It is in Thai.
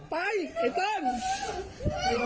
ไอ้ไอ้เติ้ล